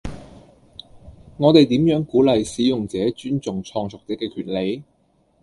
我哋點樣鼓勵使用者尊重創作者嘅權利？